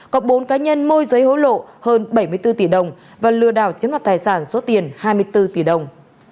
có bốn cá nhân môi giới hối lộ hơn bảy mươi bốn tỷ đồng và lừa đảo chiếm đoạt tài sản số tiền hai mươi bốn tỷ đồng